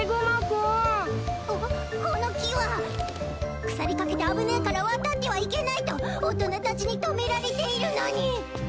ここの木は腐りかけて危ねいから渡ってはいけないと大人たちに止められているのに！